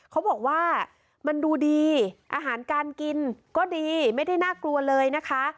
เขาบอกว่ามันดูดีอาหารการกินก็ดีไม่ได้น่ากลัวเลยนะคะ